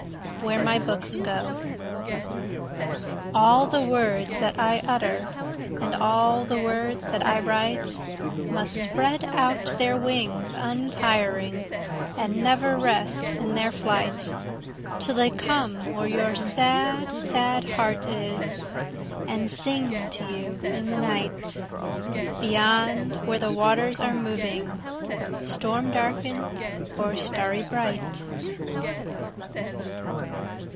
Where My Books go ALL the words that I utter, And all the words that I write, Must spread out their wings untiring, And never rest in their flight, Till they come where your sad, sad heart is, 5 And sing to you in the night, Beyond where the waters are moving, Storm darken'd or starry bright.